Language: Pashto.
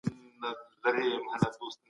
چې باید دوام وکړي.